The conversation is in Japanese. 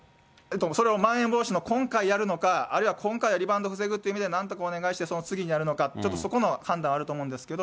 それはまん延防止の今回、やるのか、あるいは今回はリバウンド防ぐっていう意味で、なんとかお願いして、その次にやるのか、ちょっとそこの判断はあると思うんですけど。